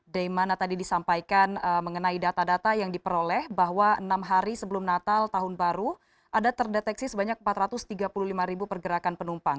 dari mana tadi disampaikan mengenai data data yang diperoleh bahwa enam hari sebelum natal tahun baru ada terdeteksi sebanyak empat ratus tiga puluh lima ribu pergerakan penumpang